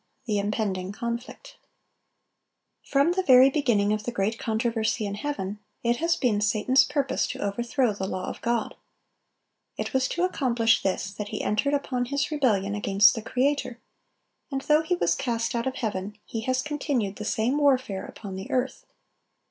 THE IMPENDING CONFLICT. [Illustration: Chapter header.] From the very beginning of the great controversy in heaven, it has been Satan's purpose to overthrow the law of God. It was to accomplish this that he entered upon his rebellion against the Creator; and though he was cast out of heaven, he has continued the same warfare upon the earth.